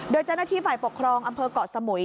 โดยจ้านนาธิภัยปกครองอำเภาะเกาะสมุย